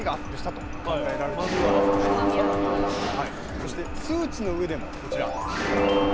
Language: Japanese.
そして数値の上でもこちらですね。